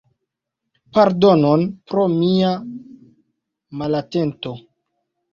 Pardonon pro mia malatento.